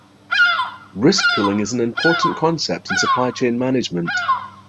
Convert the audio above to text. Risk pooling is an important concept in supply chain management.